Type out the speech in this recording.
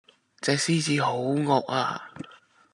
隻獅子好惡呀